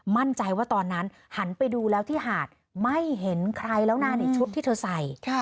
มั่นใจว่าตอนนั้นหันไปดูแล้วที่หาดไม่เห็นใครแล้วนะนี่ชุดที่เธอใส่